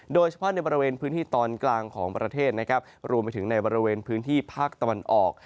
โดยเฉพาะในบริเวณพื้นที่ตอนกลางของประเทศนะครับรวมไปถึงในบริเวณพื้นที่ภาคตะวันออก